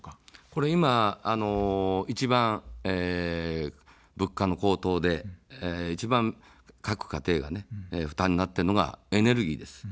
ここは一番、物価の高騰で一番各家庭が負担になっているのがエネルギーです。